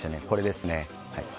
これです。